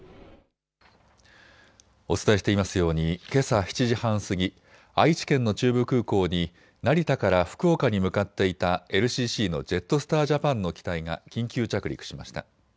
お伝えしていますようにけさ７時半過ぎ愛知県の中部空港に成田から福岡に向かっていたＬＣＣのジェットスター・ジャパンの機体が緊急着陸しました。